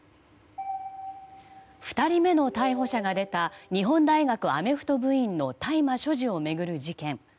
２人目の逮捕者が出た日本大学アメフト部員の大麻所持を巡る事件。